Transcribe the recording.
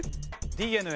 ＤＮＡ。